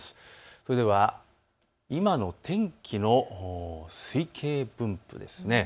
それでは今の天気の推計分布です。